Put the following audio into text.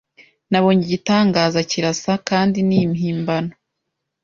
Nabonye igitangaza kirasa kandi ni impimbano